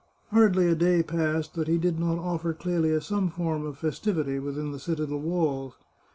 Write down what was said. Hardly a day passed that he did not oflfer Clelia some form of festivity within the citadel walls.